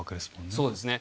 そうですね。